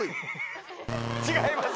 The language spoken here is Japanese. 違います。